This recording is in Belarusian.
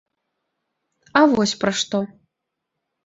А вось пра што.